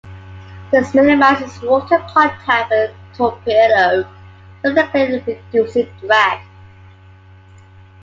This minimizes water contact with the torpedo, significantly reducing drag.